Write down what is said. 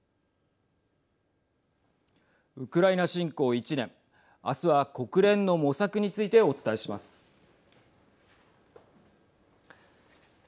ウクライナ侵攻１年明日は国連の模索についてお伝えします。